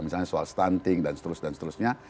misalnya soal stunting dan seterusnya